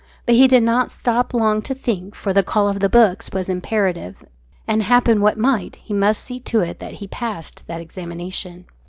But he did not stop long to think, for the call of his books was imperative, and happen what might, he must see to it that he passed that examination.